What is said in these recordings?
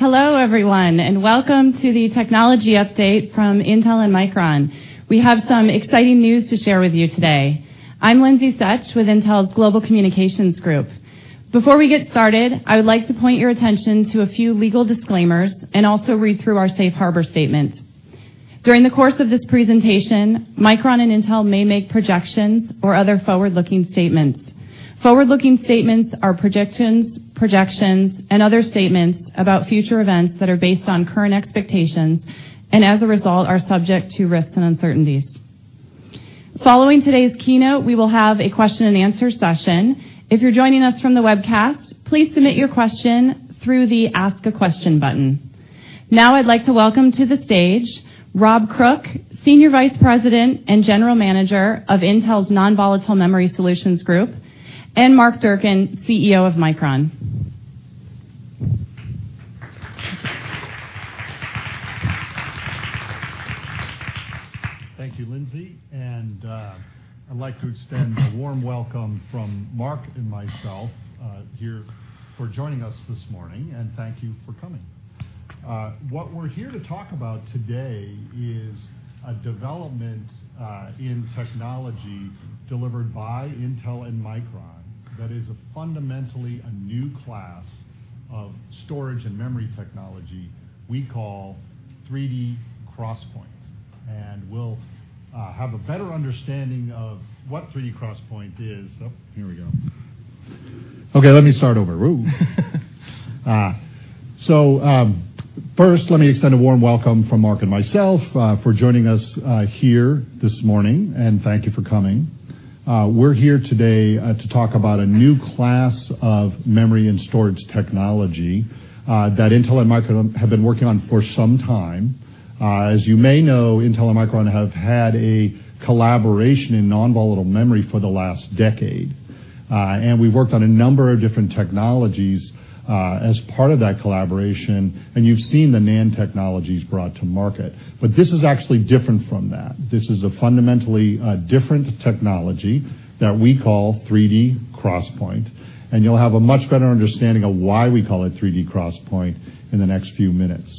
Hello everyone, welcome to the technology update from Intel and Micron. We have some exciting news to share with you today. I'm Lindsay Suck with Intel's Global Communications group. Before we get started, I would like to point your attention to a few legal disclaimers and also read through our safe harbor statement. During the course of this presentation, Micron and Intel may make projections or other forward-looking statements. Forward-looking statements are projections and other statements about future events that are based on current expectations, and as a result, are subject to risks and uncertainties. Following today's keynote, we will have a question and answer session. If you're joining us from the webcast, please submit your question through the Ask a Question button. I'd like to welcome to the stage Rob Crooke, Senior Vice President and General Manager of Intel's Non-Volatile Memory Solutions Group, and Mark Durcan, CEO of Micron. Thank you, Lindsay. I'd like to extend a warm welcome from Mark and myself here for joining us this morning, and thank you for coming. What we're here to talk about today is a development in technology delivered by Intel and Micron that is fundamentally a new class of storage and memory technology we call 3D XPoint. First, let me extend a warm welcome from Mark and myself for joining us here this morning, and thank you for coming. We're here today to talk about a new class of memory and storage technology that Intel and Micron have been working on for some time. As you may know, Intel and Micron have had a collaboration in Non-Volatile Memory for the last decade. We've worked on a number of different technologies as part of that collaboration, and you've seen the NAND technologies brought to market. This is actually different from that. This is a fundamentally different technology that we call 3D XPoint, and you'll have a much better understanding of why we call it 3D XPoint in the next few minutes.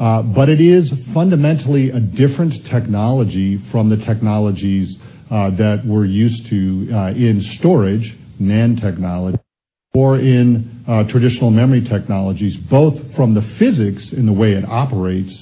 It is fundamentally a different technology from the technologies that we're used to in storage, NAND technology, or in traditional memory technologies, both from the physics in the way it operates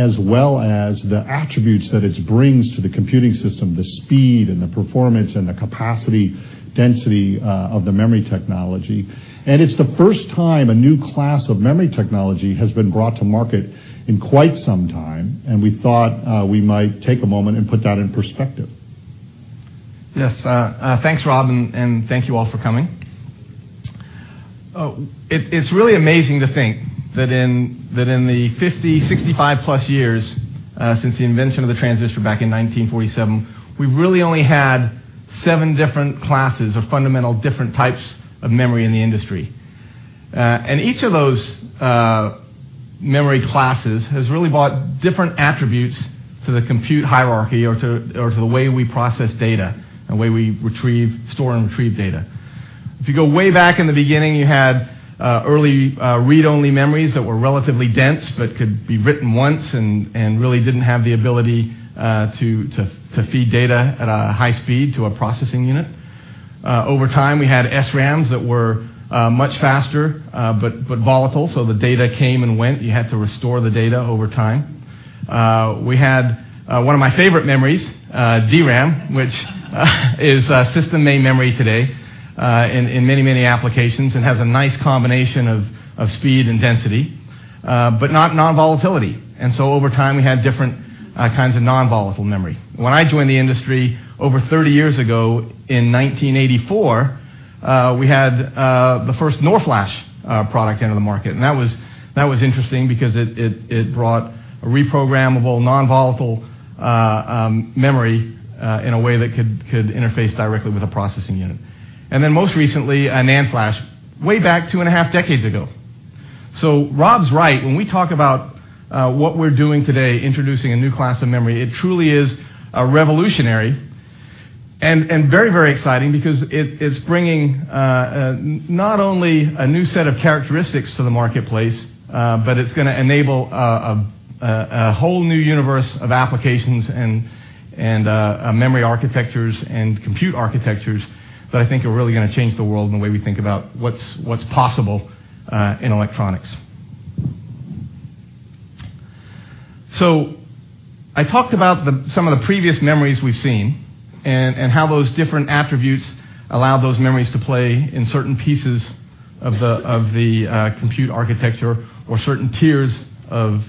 as well as the attributes that it brings to the computing system, the speed and the performance and the capacity density of the memory technology. It's the first time a new class of memory technology has been brought to market in quite some time, and we thought we might take a moment and put that in perspective. Yes. Thanks, Rob, and thank you all for coming. It's really amazing to think that in the 50, 65 plus years since the invention of the transistor back in 1947, we've really only had 7 different classes of fundamental different types of memory in the industry. Each of those memory classes has really brought different attributes to the compute hierarchy or to the way we process data, the way we store and retrieve data. If you go way back in the beginning, you had early read-only memories that were relatively dense but could be written once and really didn't have the ability to feed data at a high speed to a processing unit. Over time, we had SRAMs that were much faster but volatile, so the data came and went. You had to restore the data over time. We had one of my favorite memories, DRAM, which is system main memory today in many applications and has a nice combination of speed and density, but not nonvolatility. Over time, we had different kinds of nonvolatile memory. When I joined the industry over 30 years ago in 1984, we had the first NOR flash product enter the market. That was interesting because it brought a reprogrammable nonvolatile memory in a way that could interface directly with a processing unit. Most recently, a NAND flash, way back two and a half decades ago. Rob's right. When we talk about what we're doing today, introducing a new class of memory, it truly is revolutionary and very exciting because it is bringing not only a new set of characteristics to the marketplace, but it's going to enable a whole new universe of applications and memory architectures and compute architectures that I think are really going to change the world in the way we think about what's possible in electronics. I talked about some of the previous memories we've seen and how those different attributes allow those memories to play in certain pieces of the compute architecture or certain tiers of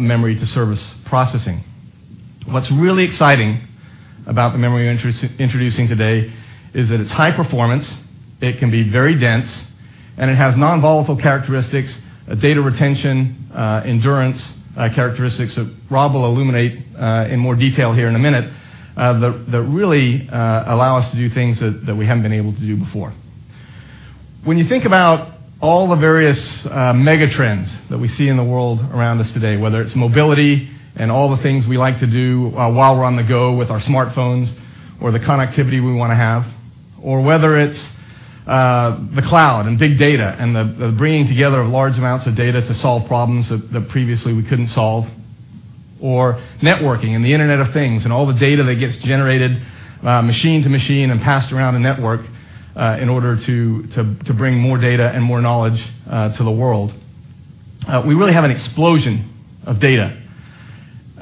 memory to service processing. What's really exciting about the memory we're introducing today is that it's high performance, it can be very dense, and it has nonvolatile characteristics, data retention, endurance characteristics that Rob will illuminate in more detail here in a minute that really allow us to do things that we haven't been able to do before. All the various mega trends that we see in the world around us today, whether it's mobility and all the things we like to do while we're on the go with our smartphones, or the connectivity we want to have, or whether it's the cloud and big data and the bringing together of large amounts of data to solve problems that previously we couldn't solve, or networking and the Internet of Things and all the data that gets generated machine to machine and passed around a network in order to bring more data and more knowledge to the world. We really have an explosion of data.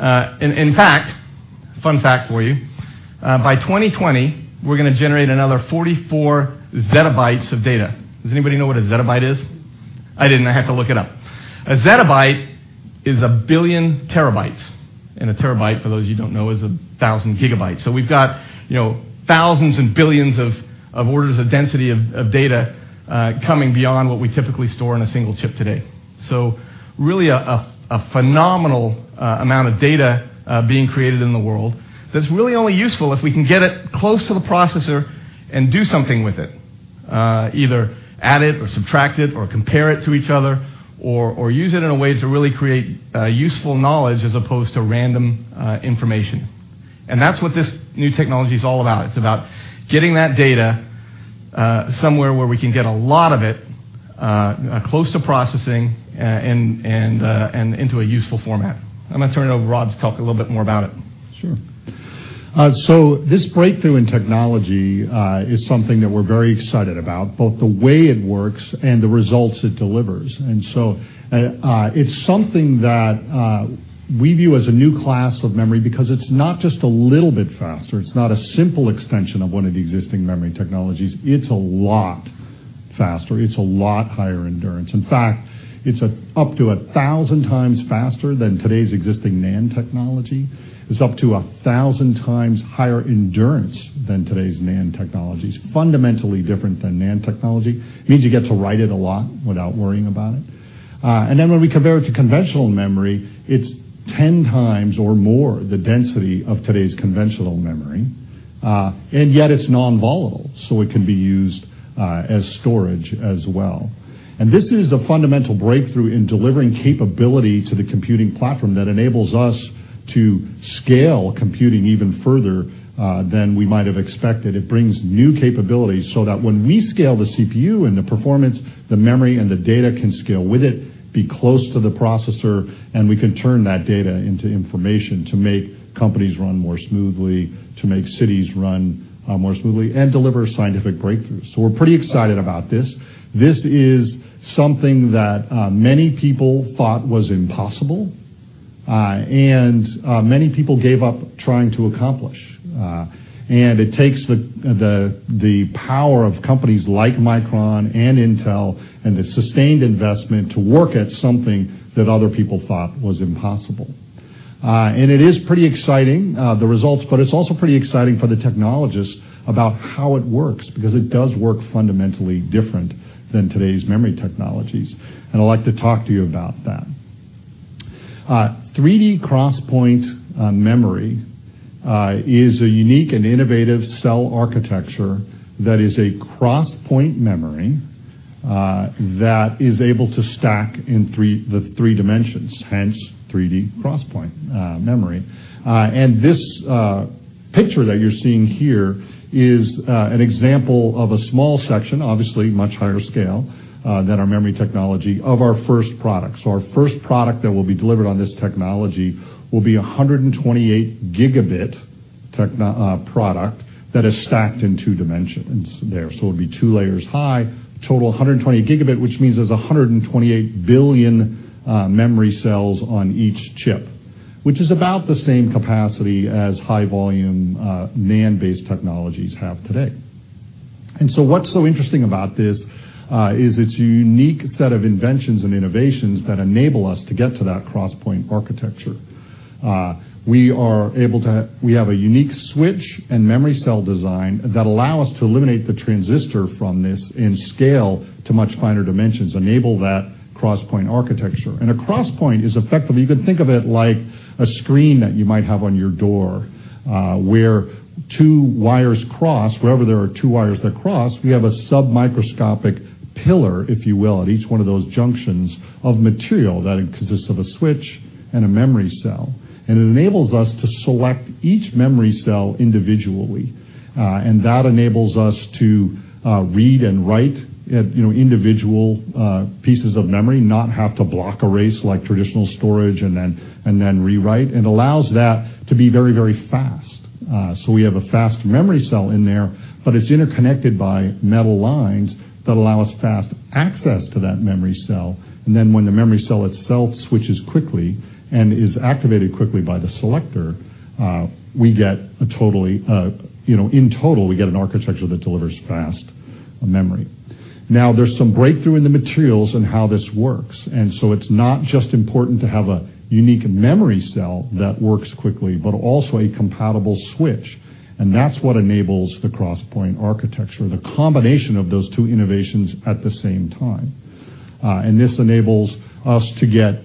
In fact, fun fact for you, by 2020, we're going to generate another 44 zettabytes of data. Does anybody know what a zettabyte is? I didn't. I had to look it up. A zettabyte is a billion terabytes, a terabyte, for those of you who don't know, is a thousand gigabytes. We've got thousands and billions of orders of density of data coming beyond what we typically store in a single chip today. Really a phenomenal amount of data being created in the world that's really only useful if we can get it close to the processor and do something with it, either add it or subtract it or compare it to each other, or use it in a way to really create useful knowledge as opposed to random information. That's what this new technology is all about. It's about getting that data somewhere where we can get a lot of it close to processing and into a useful format. I'm going to turn it over to Rob to talk a little bit more about it. Sure. This breakthrough in technology is something that we're very excited about, both the way it works and the results it delivers. It's something that we view as a new class of memory because it's not just a little bit faster. It's not a simple extension of one of the existing memory technologies. It's a lot faster. It's a lot higher endurance. In fact, it's up to 1,000 times faster than today's existing NAND technology. It's up to 1,000 times higher endurance than today's NAND technologies. Fundamentally different than NAND technology. It means you get to write it a lot without worrying about it. When we compare it to conventional memory, it's 10 times or more the density of today's conventional memory. Yet it's non-volatile, so it can be used as storage as well. This is a fundamental breakthrough in delivering capability to the computing platform that enables us to scale computing even further than we might have expected. It brings new capabilities so that when we scale the CPU and the performance, the memory and the data can scale with it, be close to the processor, and we can turn that data into information to make companies run more smoothly, to make cities run more smoothly, and deliver scientific breakthroughs. We're pretty excited about this. This is something that many people thought was impossible, and many people gave up trying to accomplish. It takes the power of companies like Micron and Intel and the sustained investment to work at something that other people thought was impossible. It is pretty exciting, the results, but it is also pretty exciting for the technologists about how it works, because it does work fundamentally different than today's memory technologies. I'd like to talk to you about that. 3D XPoint memory is a unique and innovative cell architecture that is a cross-point memory that is able to stack in the three dimensions, hence 3D XPoint memory. This picture that you're seeing here is an example of a small section, obviously much higher scale than our memory technology, of our first product. Our first product that will be delivered on this technology will be 128-gigabit product that is stacked in two dimensions there. It'll be two layers high, total 128 gigabit, which means there's 128 billion memory cells on each chip, which is about the same capacity as high-volume NAND-based technologies have today. What's so interesting about this is its unique set of inventions and innovations that enable us to get to that cross-point architecture. We have a unique switch and memory cell design that allow us to eliminate the transistor from this and scale to much finer dimensions, enable that cross-point architecture. A cross point is effectively, you can think of it like a screen that you might have on your door, where two wires cross. Wherever there are two wires that cross, we have a sub-microscopic pillar, if you will, at each one of those junctions of material that consists of a switch and a memory cell. It enables us to select each memory cell individually. That enables us to read and write individual pieces of memory, not have to block a race like traditional storage and then rewrite, and allows that to be very, very fast. We have a fast memory cell in there, but it's interconnected by metal lines that allow us fast access to that memory cell. When the memory cell itself switches quickly and is activated quickly by the selector, in total, we get an architecture that delivers fast memory. Now, there's some breakthrough in the materials in how this works, so it's not just important to have a unique memory cell that works quickly, but also a compatible switch, and that's what enables the cross-point architecture, the combination of those two innovations at the same time. This enables us to get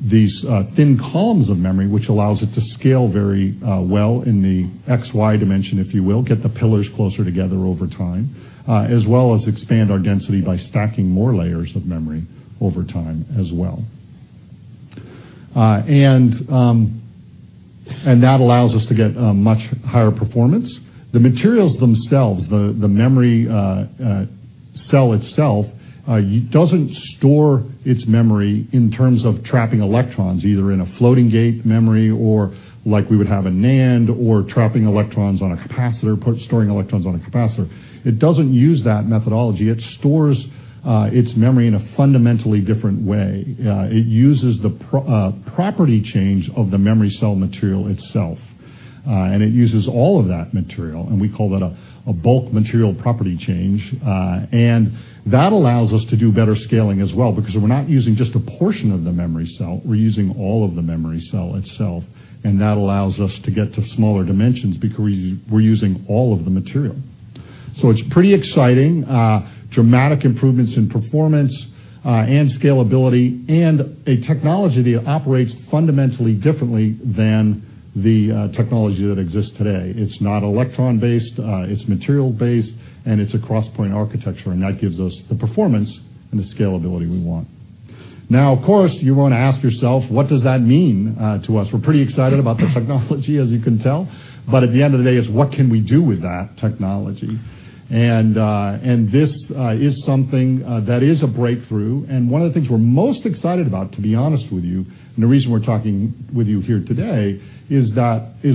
these thin columns of memory, which allows it to scale very well in the XY dimension, if you will, get the pillars closer together over time, as well as expand our density by stacking more layers of memory over time as well. That allows us to get much higher performance. The materials themselves, the memory cell itself, doesn't store its memory in terms of trapping electrons, either in a floating gate memory or like we would have a NAND or trapping electrons on a capacitor, storing electrons on a capacitor. It doesn't use that methodology. It stores its memory in a fundamentally different way. It uses the property change of the memory cell material itself, and it uses all of that material, and we call that a bulk material property change. That allows us to do better scaling as well because we're not using just a portion of the memory cell, we're using all of the memory cell itself, and that allows us to get to smaller dimensions because we're using all of the material. It's pretty exciting, dramatic improvements in performance and scalability, a technology that operates fundamentally differently than the technology that exists today. It's not electron-based, it's material-based, and it's a cross-point architecture, that gives us the performance and the scalability we want. Of course, you're going to ask yourself, what does that mean to us? We're pretty excited about the technology, as you can tell, but at the end of the day, it's what can we do with that technology? This is something that is a breakthrough. One of the things we're most excited about, to be honest with you, the reason we're talking with you here today is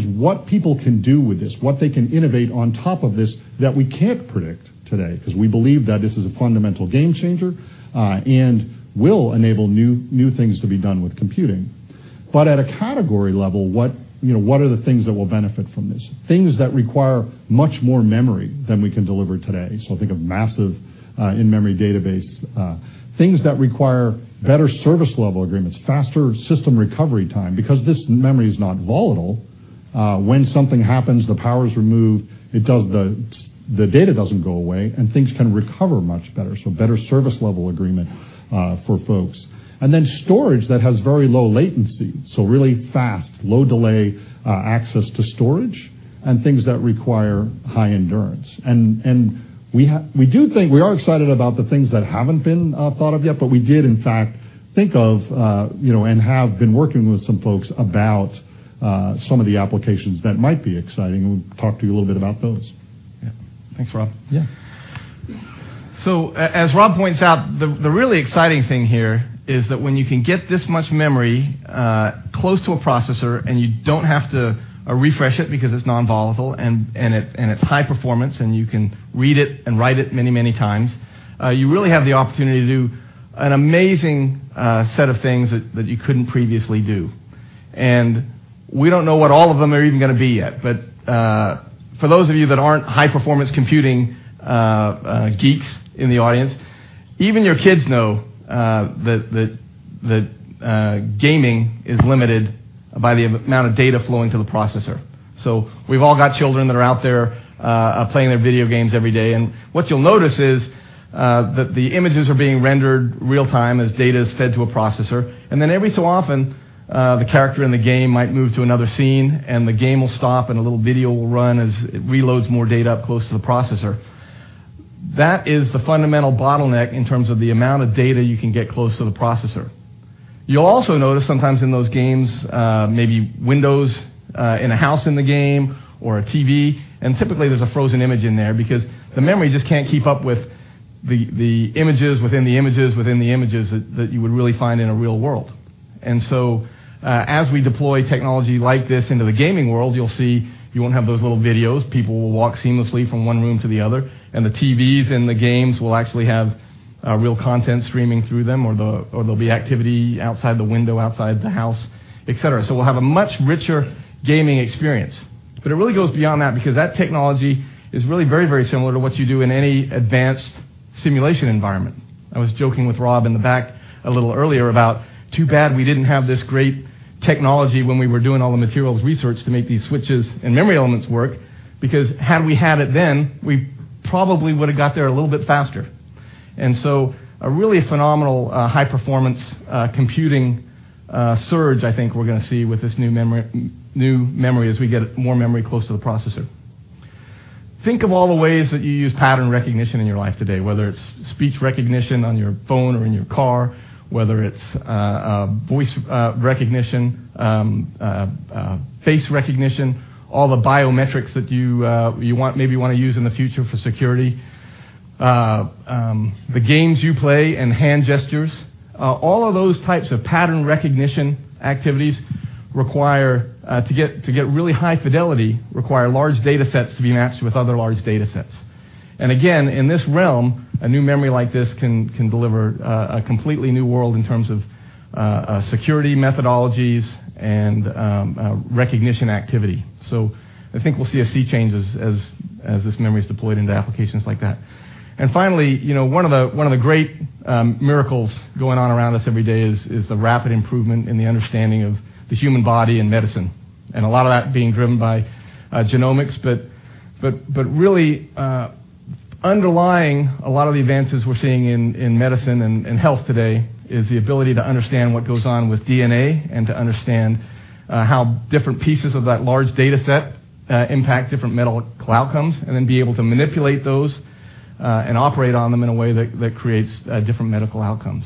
what people can do with this, what they can innovate on top of this that we can't predict today because we believe that this is a fundamental game changer and will enable new things to be done with computing. At a category level, what are the things that will benefit from this? Things that require much more memory than we can deliver today. Think of massive in-memory database, things that require better service level agreements, faster system recovery time because this memory is not volatile. When something happens, the power is removed, the data doesn't go away, things can recover much better. Better service level agreement for folks. Storage that has very low latency, really fast, low delay access to storage and things that require high endurance. We are excited about the things that haven't been thought of yet, but we did, in fact, think of, and have been working with some folks about some of the applications that might be exciting. We'll talk to you a little bit about those. Yeah. Thanks, Rob. Yeah. As Rob points out, the really exciting thing here is that when you can get this much memory close to a processor and you don't have to refresh it because it's non-volatile and it's high performance and you can read it and write it many, many times, you really have the opportunity to do an amazing set of things that you couldn't previously do. We don't know what all of them are even going to be yet. For those of you that aren't high-performance computing geeks in the audience, even your kids know that gaming is limited by the amount of data flowing to the processor. We've all got children that are out there playing their video games every day, what you'll notice is that the images are being rendered real-time as data is fed to a processor, then every so often, the character in the game might move to another scene, the game will stop, a little video will run as it reloads more data up close to the processor. That is the fundamental bottleneck in terms of the amount of data you can get close to the processor. You'll also notice sometimes in those games, maybe windows in a house in the game or a TV, typically there's a frozen image in there because the memory just can't keep up with the images within the images that you would really find in a real world. As we deploy technology like this into the gaming world, you'll see you won't have those little videos. People will walk seamlessly from one room to the other, the TVs and the games will actually have real content streaming through them, or there'll be activity outside the window, outside the house, et cetera. We'll have a much richer gaming experience. It really goes beyond that because that technology is really very similar to what you do in any advanced simulation environment. I was joking with Rob in the back a little earlier about too bad we didn't have this great technology when we were doing all the materials research to make these switches and memory elements work because had we had it then, we probably would have got there a little bit faster. A really phenomenal high-performance computing surge I think we're going to see with this new memory as we get more memory close to the processor. Think of all the ways that you use pattern recognition in your life today, whether it's speech recognition on your phone or in your car, whether it's voice recognition, face recognition, all the biometrics that you maybe want to use in the future for security, the games you play and hand gestures. All of those types of pattern recognition activities require to get really high fidelity, require large data sets to be matched with other large data sets. Again, in this realm, a new memory like this can deliver a completely new world in terms of security methodologies and recognition activity. I think we'll see a sea change as this memory is deployed into applications like that. Finally, one of the great miracles going on around us every day is the rapid improvement in the understanding of the human body and medicine, and a lot of that being driven by genomics. Really underlying a lot of the advances we're seeing in medicine and health today is the ability to understand what goes on with DNA and to understand how different pieces of that large data set impact different medical outcomes, and then be able to manipulate those and operate on them in a way that creates different medical outcomes.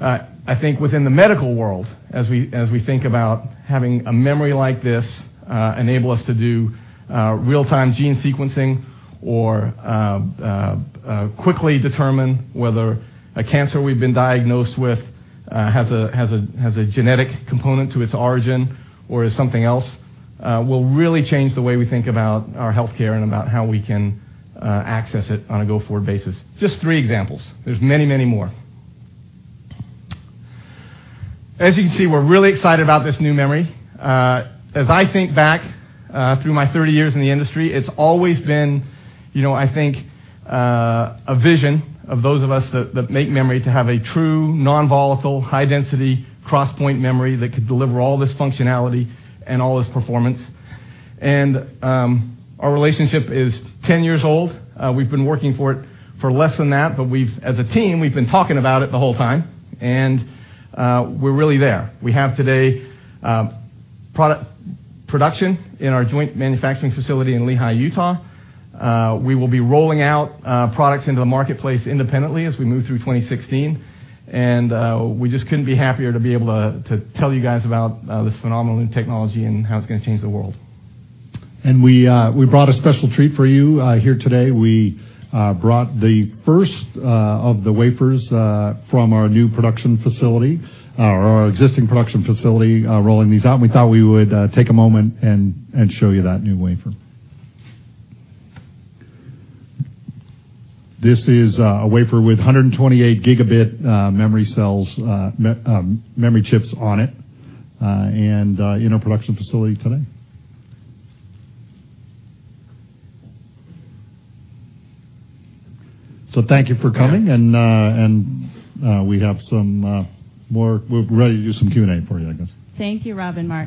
I think within the medical world, as we think about having a memory like this enable us to do real-time gene sequencing or quickly determine whether a cancer we've been diagnosed with has a genetic component to its origin or is something else will really change the way we think about our healthcare and about how we can access it on a go-forward basis. Just three examples. There's many more. As you can see, we're really excited about this new memory. As I think back through my 30 years in the industry, it's always been, I think, a vision of those of us that make memory to have a true non-volatile, high density, cross-point memory that could deliver all this functionality and all this performance. Our relationship is 10 years old. We've been working for it for less than that, but as a team, we've been talking about it the whole time, and we're really there. We have today production in our joint manufacturing facility in Lehi, Utah. We will be rolling out products into the marketplace independently as we move through 2016. We just couldn't be happier to be able to tell you guys about this phenomenal new technology and how it's going to change the world. We brought a special treat for you here today. We brought the first of the wafers from our new production facility, or our existing production facility rolling these out, and we thought we would take a moment and show you that new wafer. This is a wafer with 128 gigabit memory cells, memory chips on it, and in our production facility today. Thank you for coming and we're ready to do some Q&A for you, I guess. Thank you, Rob and Mark.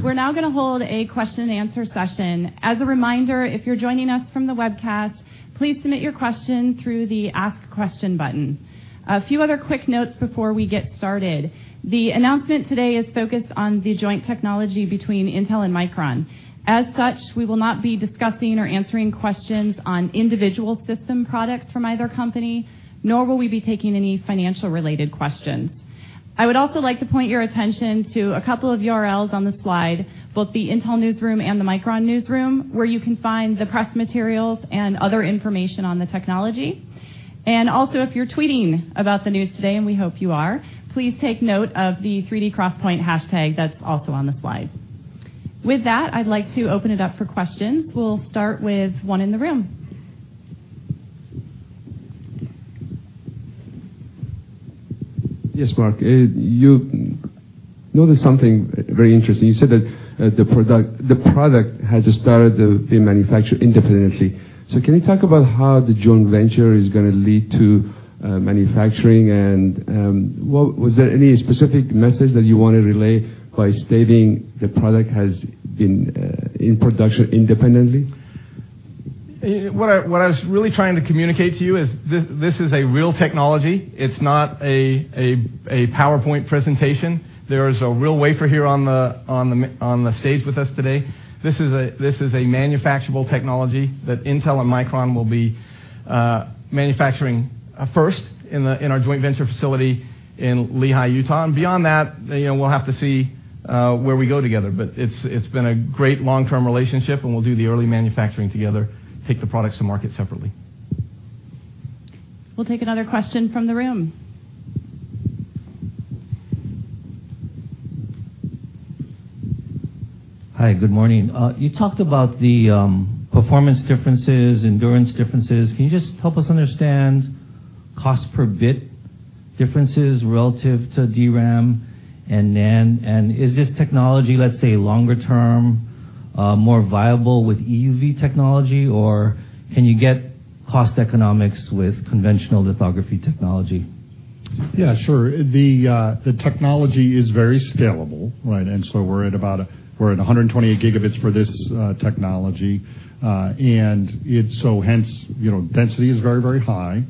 We're now going to hold a question and answer session. As a reminder, if you're joining us from the webcast, please submit your question through the Ask Question button. A few other quick notes before we get started. The announcement today is focused on the joint technology between Intel and Micron. As such, we will not be discussing or answering questions on individual system products from either company, nor will we be taking any financial-related questions. I would also like to point your attention to a couple of URLs on the slide, both the Intel Newsroom and the Micron Newsroom, where you can find the press materials and other information on the technology. Also, if you're tweeting about the news today, and we hope you are, please take note of the 3D XPoint hashtag that's also on the slide. With that, I'd like to open it up for questions. We'll start with one in the room. Yes, Mark. You noticed something very interesting. You said that the product has started to be manufactured independently. Can you talk about how the joint venture is going to lead to manufacturing and was there any specific message that you want to relay by stating the product has been in production independently? What I was really trying to communicate to you is this is a real technology. It's not a PowerPoint presentation. There is a real wafer here on the stage with us today. This is a manufacturable technology that Intel and Micron will be manufacturing first in our joint venture facility in Lehi, Utah. Beyond that, we'll have to see where we go together. It's been a great long-term relationship, and we'll do the early manufacturing together, take the products to market separately. We'll take another question from the room. Hi, good morning. You talked about the performance differences, endurance differences. Can you just help us understand cost per bit differences relative to DRAM and NAND? Is this technology, let's say, longer term, more viable with EUV technology, or can you get cost economics with conventional lithography technology? Yeah, sure. The technology is very scalable. We're at 128 gigabits for this technology. Hence, density is very high.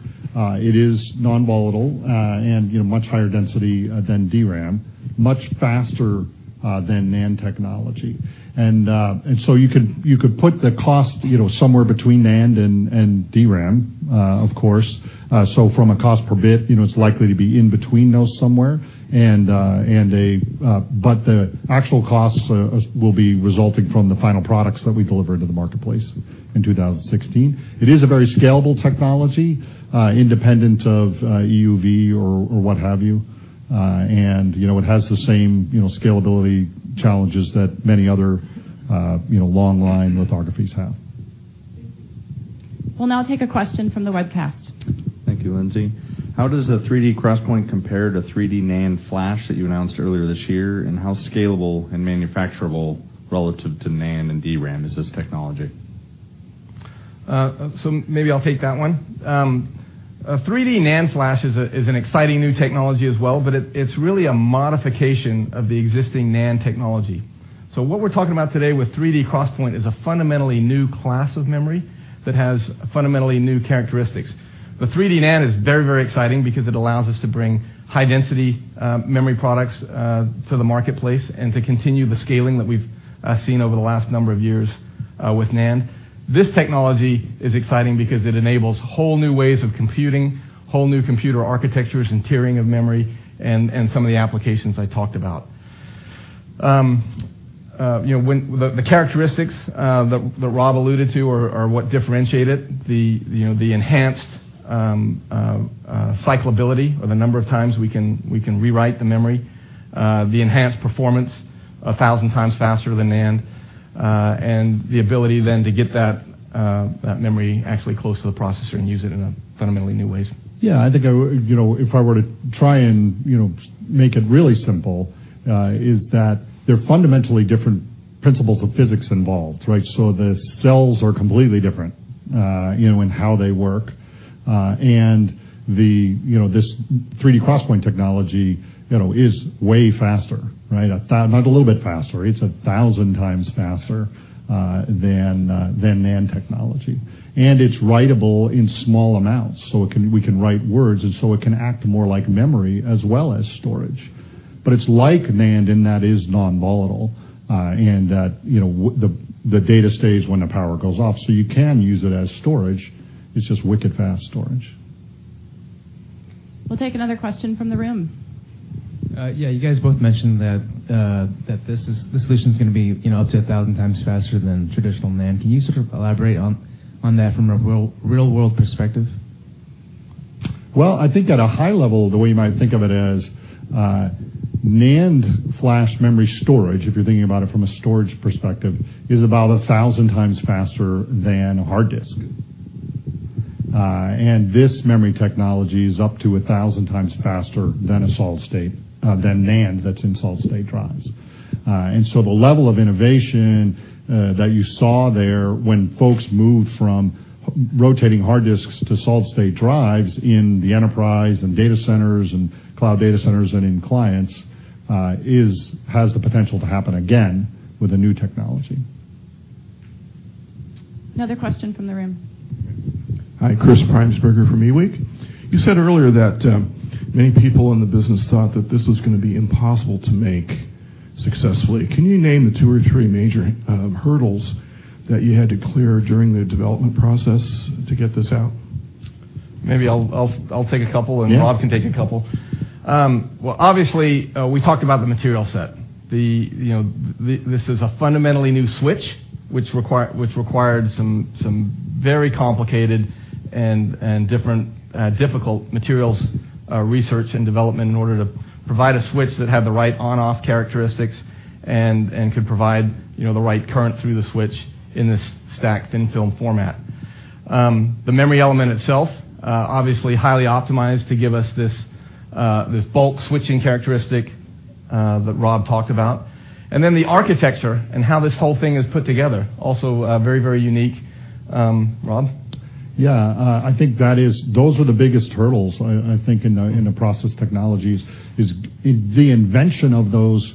It is non-volatile and much higher density than DRAM, much faster than NAND technology. You could put the cost somewhere between NAND and DRAM, of course. From a cost per bit, it's likely to be in between those somewhere. The actual costs will be resulting from the final products that we deliver to the marketplace in 2016. It is a very scalable technology, independent of EUV or what have you. It has the same scalability challenges that many other long line lithographies have. We'll now take a question from the webcast. Thank you, Lindsay. How does a 3D XPoint compare to 3D NAND flash that you announced earlier this year, and how scalable and manufacturable relative to NAND and DRAM is this technology? Maybe I'll take that one. 3D NAND flash is an exciting new technology as well, but it's really a modification of the existing NAND technology. What we're talking about today with 3D XPoint is a fundamentally new class of memory that has fundamentally new characteristics. The 3D NAND is very exciting because it allows us to bring high-density memory products to the marketplace and to continue the scaling that we've seen over the last number of years with NAND. This technology is exciting because it enables whole new ways of computing, whole new computer architectures and tiering of memory, and some of the applications I talked about. The characteristics that Rob alluded to are what differentiate it, the enhanced cyclability or the number of times we can rewrite the memory, the enhanced performance 1,000 times faster than NAND, and the ability then to get that memory actually close to the processor and use it in fundamentally new ways. Yeah, I think if I were to try and make it really simple, is that there are fundamentally different principles of physics involved. The cells are completely different in how they work. This 3D XPoint technology is way faster. Not a little bit faster. It's 1,000 times faster than NAND technology. It's writable in small amounts, so we can write words, and so it can act more like memory as well as storage. It's like NAND in that it is non-volatile, in that the data stays when the power goes off. You can use it as storage. It's just wicked fast storage. We'll take another question from the room. Yeah. You guys both mentioned that this solution's going to be up to 1,000 times faster than traditional NAND. Can you sort of elaborate on that from a real-world perspective? Well, I think at a high level, the way you might think of it as NAND flash memory storage, if you're thinking about it from a storage perspective, is about 1,000 times faster than a hard disk. This memory technology is up to 1,000 times faster than NAND that's in solid-state drives. The level of innovation that you saw there when folks moved from rotating hard disks to solid-state drives in the enterprise and data centers and cloud data centers and in clients has the potential to happen again with a new technology. Another question from the room. Hi, Chris Preimesberger from eWeek. You said earlier that many people in the business thought that this was going to be impossible to make successfully. Can you name the two or three major hurdles that you had to clear during the development process to get this out? Maybe I'll take a couple. Yeah and Rob can take a couple. Well, obviously, we talked about the material set. This is a fundamentally new switch which required some very complicated and difficult materials research and development in order to provide a switch that had the right on/off characteristics and could provide the right current through the switch in this stacked thin-film format. The memory element itself obviously highly optimized to give us this bulk switching characteristic that Rob talked about. Then the architecture and how this whole thing is put together, also very unique. Rob? Yeah. I think those are the biggest hurdles, I think, in the process technologies is the invention of those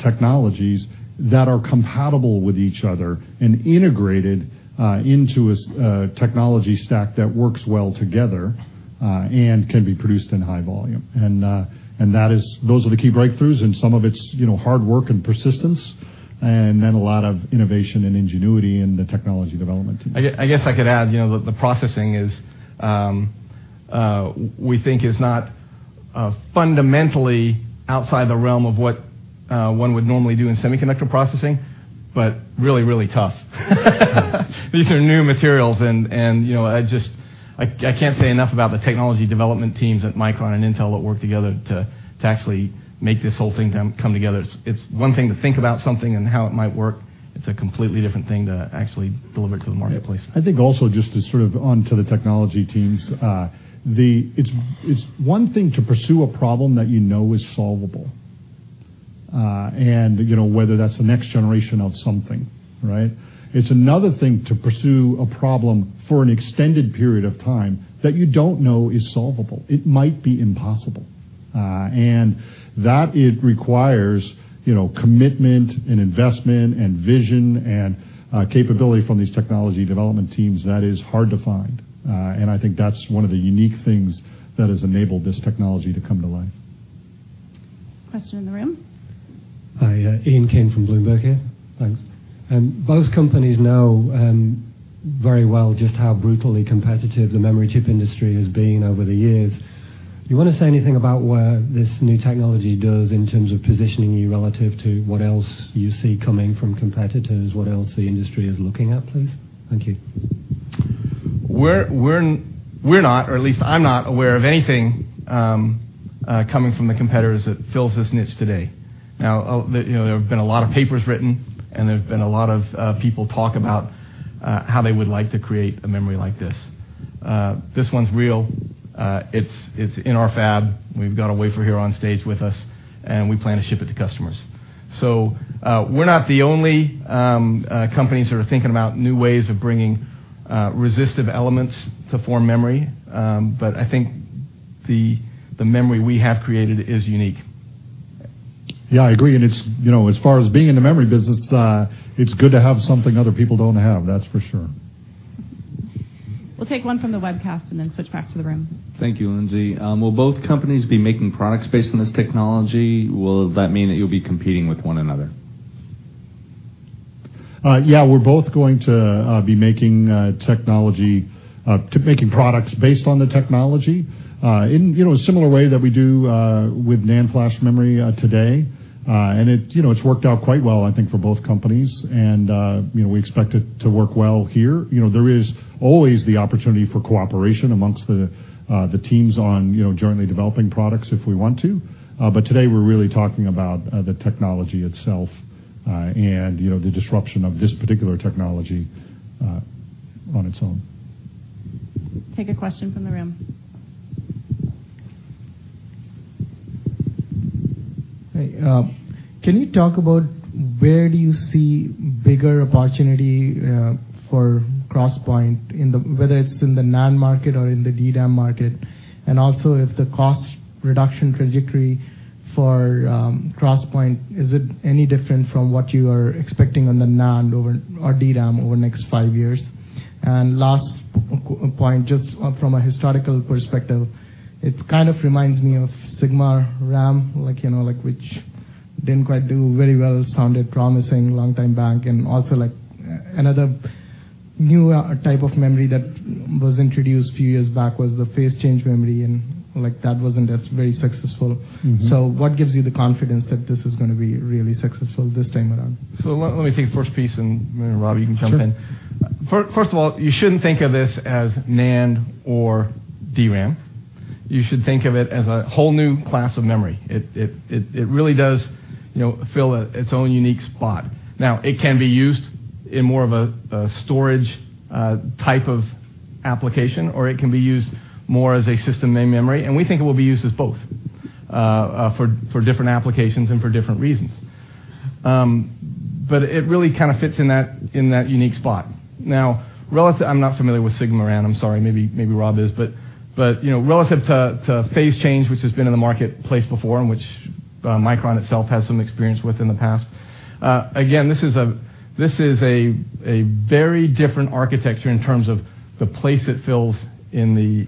technologies that are compatible with each other and integrated into a technology stack that works well together and can be produced in high volume. Those are the key breakthroughs, and some of it's hard work and persistence, and then a lot of innovation and ingenuity in the technology development team. I guess I could add, the processing we think is not fundamentally outside the realm of what one would normally do in semiconductor processing, but really tough. These are new materials. I can't say enough about the technology development teams at Micron and Intel that worked together to actually make this whole thing come together. It's one thing to think about something and how it might work. It's a completely different thing to actually deliver it to the marketplace. I think also just to sort of onto the technology teams it's one thing to pursue a problem that you know is solvable, and whether that's the next generation of something. It's another thing to pursue a problem for an extended period of time that you don't know is solvable. It might be impossible. That requires commitment and investment and vision and capability from these technology development teams that is hard to find. I think that's one of the unique things that has enabled this technology to come to life. Question in the room. Hi, Ian King from Bloomberg here. Thanks. Both companies know very well just how brutally competitive the memory chip industry has been over the years. You want to say anything about where this new technology does in terms of positioning you relative to what else you see coming from competitors, what else the industry is looking at, please? Thank you. We're not, or at least I'm not aware of anything coming from the competitors that fills this niche today. There have been a lot of papers written, and there have been a lot of people talk about how they would like to create a memory like this. This one's real. It's in our fab. We've got a wafer here on stage with us, and we plan to ship it to customers. We're not the only companies that are thinking about new ways of bringing resistive elements to form memory. I think the memory we have created is unique. Yeah, I agree, and as far as being in the memory business, it's good to have something other people don't have, that's for sure. We'll take one from the webcast and then switch back to the room. Thank you, Lindsay. Will both companies be making products based on this technology? Will that mean that you'll be competing with one another? Yeah, we're both going to be making products based on the technology in a similar way that we do with NAND flash memory today. It's worked out quite well, I think, for both companies. We expect it to work well here. There is always the opportunity for cooperation amongst the teams on jointly developing products if we want to. Today, we're really talking about the technology itself and the disruption of this particular technology on its own. Take a question from the room. Hey. Can you talk about where do you see bigger opportunity for XPoint, whether it's in the NAND market or in the DRAM market? Also, if the cost reduction trajectory for XPoint, is it any different from what you are expecting on the NAND or DRAM over the next five years? Last point, just from a historical perspective, it kind of reminds me of SigmaRAM, which didn't quite do very well. Sounded promising a long time back. Another new type of memory that was introduced a few years back was the phase-change memory, and that wasn't as very successful. What gives you the confidence that this is going to be really successful this time around? Let me take the first piece, and maybe Rob, you can jump in. Sure. First of all, you shouldn't think of this as NAND or DRAM. You should think of it as a whole new class of memory. It really does fill its own unique spot. It can be used in more of a storage type of application, or it can be used more as a system main memory, and we think it will be used as both for different applications and for different reasons. It really kind of fits in that unique spot. I'm not familiar with SigmaRAM. I'm sorry, maybe Rob is. Relative to phase-change, which has been in the marketplace before and which Micron itself has some experience with in the past, again, this is a very different architecture in terms of the place it fills in the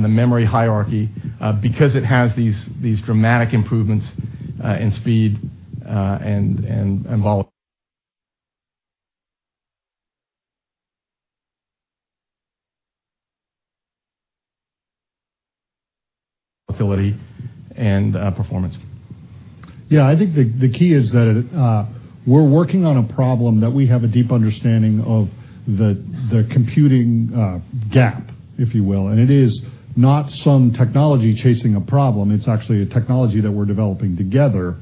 memory hierarchy because it has these dramatic improvements in speed and volatility and performance. I think the key is that we're working on a problem that we have a deep understanding of the computing gap, if you will, and it is not some technology chasing a problem. It's actually a technology that we're developing together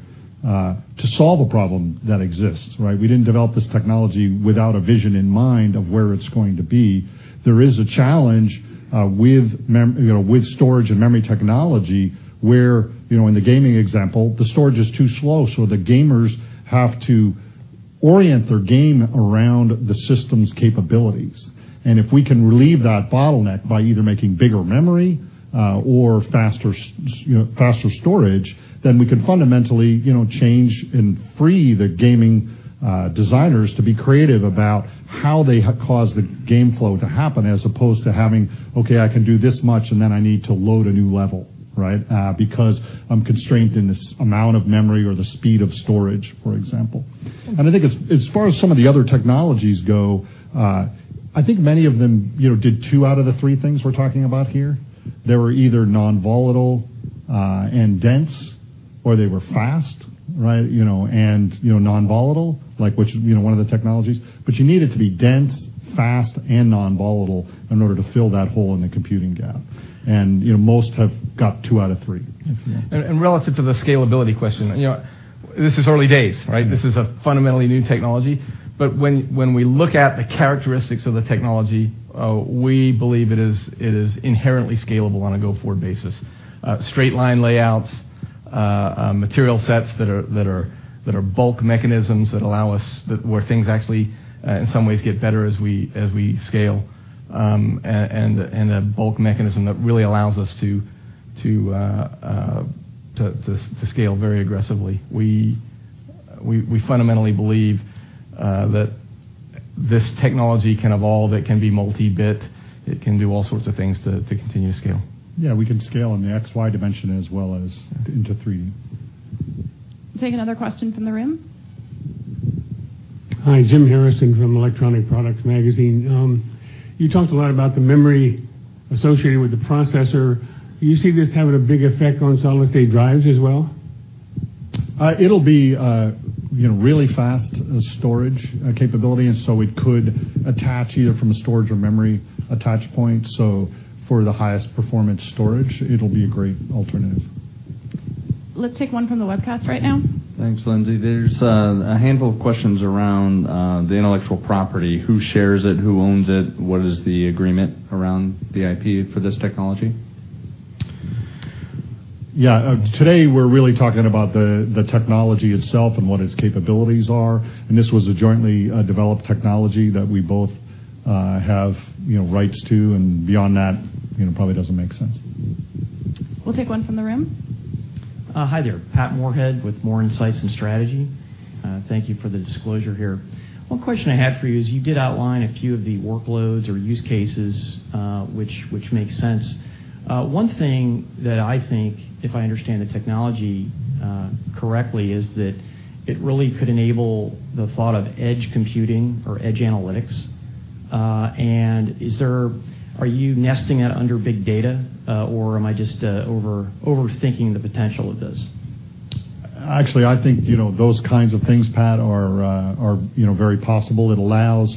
to solve a problem that exists, right? We didn't develop this technology without a vision in mind of where it's going to be. There is a challenge with storage and memory technology where in the gaming example, the storage is too slow, so the gamers have to orient their game around the system's capabilities. If we can relieve that bottleneck by either making bigger memory or faster storage, then we can fundamentally change and free the gaming designers to be creative about how they cause the game flow to happen, as opposed to having, "Okay, I can do this much, and then I need to load a new level," right? Because I'm constrained in this amount of memory or the speed of storage, for example. I think as far as some of the other technologies go, I think many of them did two out of the three things we're talking about here. They were either non-volatile and dense, or they were fast, right, and non-volatile, like one of the technologies. You need it to be dense, fast, and non-volatile in order to fill that hole in the computing gap. Most have got two out of three. Relative to the scalability question, this is early days, right? This is a fundamentally new technology. When we look at the characteristics of the technology, we believe it is inherently scalable on a go-forward basis. Straight line layouts, material sets that are bulk mechanisms where things actually, in some ways, get better as we scale, and a bulk mechanism that really allows us to scale very aggressively. We fundamentally believe that this technology can evolve. It can be multi-bit. It can do all sorts of things to continue to scale. Yeah, we can scale in the X, Y dimension as well as into 3D. Take another question from the room. Hi. Jim Harrison from Electronic Products Magazine. You talked a lot about the memory associated with the processor. Do you see this having a big effect on solid-state drives as well? It'll be a really fast storage capability. It could attach either from a storage or memory attach point. For the highest performance storage, it'll be a great alternative. Let's take one from the webcast right now. Thanks, Lindsay. There's a handful of questions around the intellectual property. Who shares it? Who owns it? What is the agreement around the IP for this technology? Yeah. Today, we're really talking about the technology itself and what its capabilities are. This was a jointly developed technology that we both have rights to. Beyond that, it probably doesn't make sense. We'll take one from the room. Hi there. Patrick Moorhead with Moor Insights & Strategy. Thank you for the disclosure here. One question I had for you is you did outline a few of the workloads or use cases which makes sense. One thing that I think, if I understand the technology correctly, is that it really could enable the thought of edge computing or edge analytics. Are you nesting that under big data, or am I just overthinking the potential of this? Actually, I think, those kinds of things, Pat, are very possible. It allows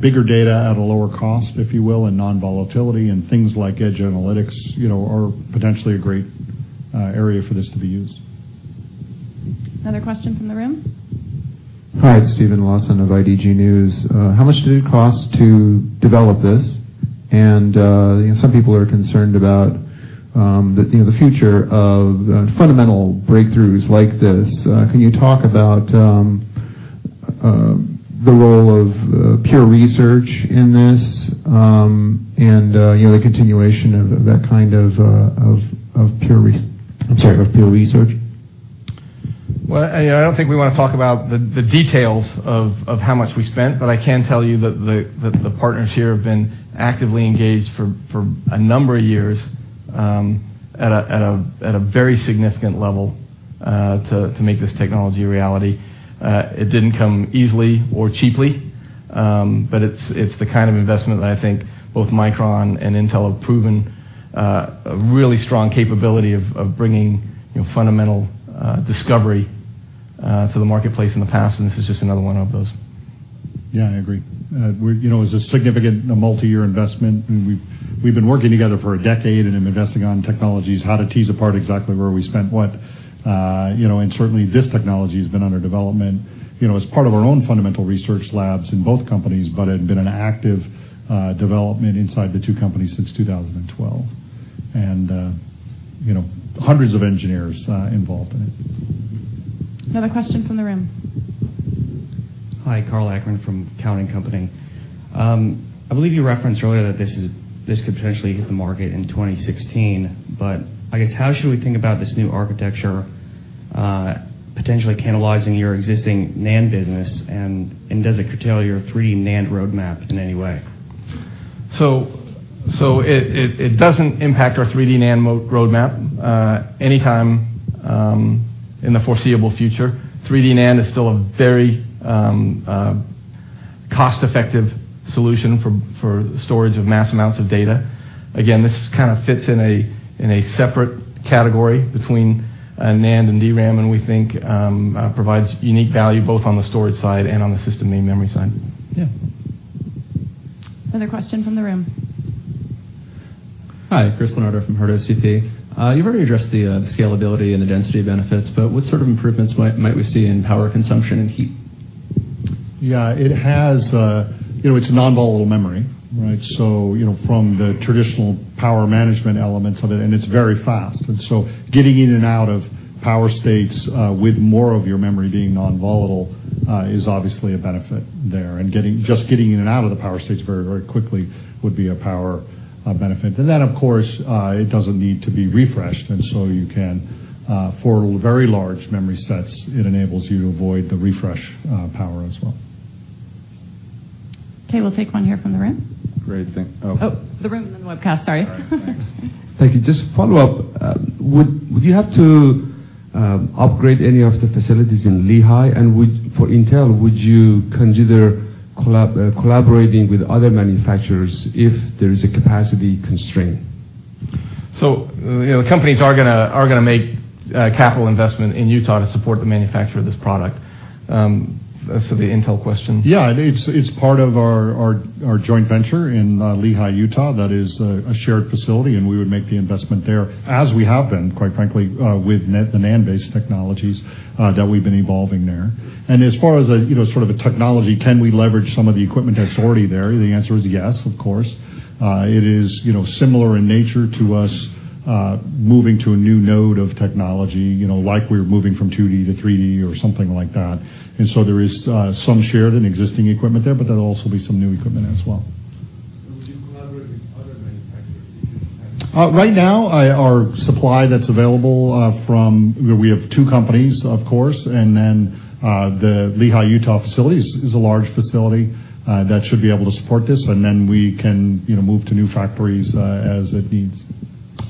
bigger data at a lower cost, if you will, and non-volatility, and things like edge analytics are potentially a great area for this to be used. Another question from the room. Hi, it's Stephen Lawson of IDG News. How much did it cost to develop this? Some people are concerned about the future of fundamental breakthroughs like this. Can you talk about the role of pure research in this and the continuation of that kind of pure research? Well, I don't think we want to talk about the details of how much we spent, but I can tell you that the partners here have been actively engaged for a number of years at a very significant level to make this technology a reality. It didn't come easily or cheaply, but it's the kind of investment that I think both Micron and Intel have proven a really strong capability of bringing fundamental discovery to the marketplace in the past. This is just another one of those. Yeah, I agree. It was a significant multi-year investment. We've been working together for a decade and have been investing on technologies, how to tease apart exactly where we spent what. Certainly, this technology's been under development as part of our own fundamental research labs in both companies, but had been an active development inside the two companies since 2012. Hundreds of engineers involved in it. Another question from the room. Hi, Karl Ackren from Cowen and Company. I believe you referenced earlier that this could potentially hit the market in 2016. I guess how should we think about this new architecture potentially catalyzing your existing NAND business, does it curtail your 3D NAND roadmap in any way? It doesn't impact our 3D NAND roadmap anytime in the foreseeable future. 3D NAND is still a very cost-effective solution for storage of mass amounts of data. Again, this kind of fits in a separate category between NAND and DRAM, we think provides unique value both on the storage side and on the system main memory side. Yeah. Another question from the room. Hi, Chris Lenart from HardOCP. You've already addressed the scalability and the density benefits, what sort of improvements might we see in power consumption and heat? Yeah. It's non-volatile memory, right? From the traditional power management elements of it's very fast. Getting in and out of power states with more of your memory being non-volatile is obviously a benefit there. Just getting in and out of the power states very quickly would be a power benefit. Of course, it doesn't need to be refreshed, so you can, for very large memory sets, it enables you to avoid the refresh power as well. Okay, we'll take one here from the room. Great, Oh. Oh, the room and then the webcast. Sorry. All right, thanks. Thank you. Just follow up. Would you have to upgrade any of the facilities in Lehi? For Intel, would you consider collaborating with other manufacturers if there is a capacity constraint? The companies are going to make a capital investment in Utah to support the manufacture of this product. As for the Intel question. Yeah, it's part of our joint venture in Lehi, Utah, that is a shared facility, and we would make the investment there, as we have been, quite frankly, with the NAND-based technologies that we've been evolving there. As far as a sort of a technology, can we leverage some of the equipment that's already there? The answer is yes, of course. It is similar in nature to us moving to a new node of technology like we're moving from 2D to 3D or something like that. There is some shared and existing equipment there, but there'll also be some new equipment as well. Would you collaborate with other manufacturers if you? Right now, our supply that's available. We have two companies, of course, and then the Lehi, Utah, facility is a large facility that should be able to support this, and then we can move to new factories as it needs.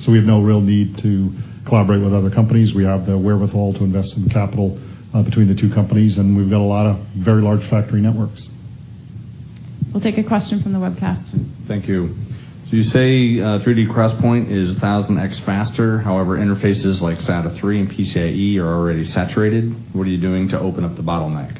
We have no real need to collaborate with other companies. We have the wherewithal to invest in the capital between the two companies, and we've got a lot of very large factory networks. We'll take a question from the webcast. Thank you. You say 3D XPoint is 1,000x faster. However, interfaces like SATA 3 and PCIe are already saturated. What are you doing to open up the bottleneck?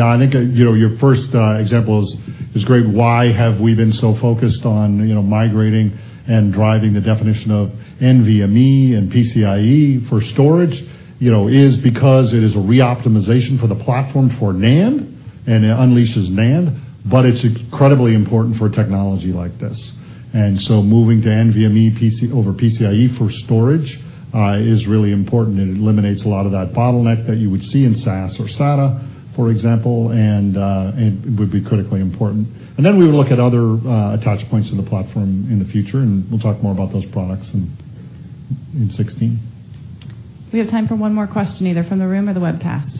I think your first example is great. Why have we been so focused on migrating and driving the definition of NVMe and PCIe for storage is because it is a re-optimization for the platform for NAND, and it unleashes NAND, but it's incredibly important for a technology like this. Moving to NVMe over PCIe for storage is really important, and it eliminates a lot of that bottleneck that you would see in SAS or SATA, for example, and it would be critically important. We would look at other attach points in the platform in the future, and we'll talk more about those products in 2016. We have time for one more question, either from the room or the webcast.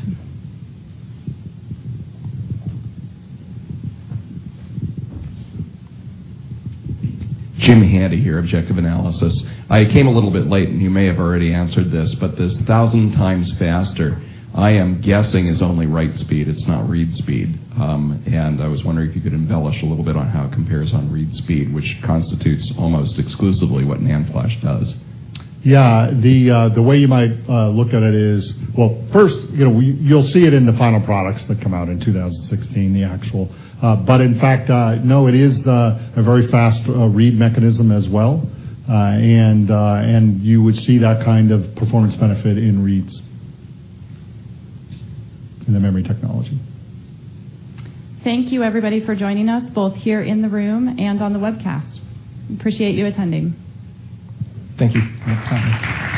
Jim Handy here, Objective Analysis. I came a little bit late, and you may have already answered this, but this 1,000 times faster, I am guessing is only write speed. It's not read speed. I was wondering if you could embellish a little bit on how it compares on read speed, which constitutes almost exclusively what NAND flash does. The way you might look at it is-- Well, first, you'll see it in the final products that come out in 2016, the actual. In fact, no, it is a very fast read mechanism as well. You would see that kind of performance benefit in reads in the memory technology. Thank you everybody for joining us, both here in the room and on the webcast. We appreciate you attending. Thank you. Yeah, thanks.